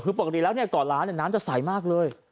คือบอกทีแล้วกรอกดล้านน้ำจะใสมากเลย